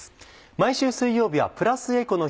毎週水曜日はプラスエコの日。